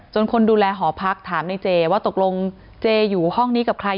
คนดูแลหอพักถามในเจว่าตกลงเจอยู่ห้องนี้กับใคร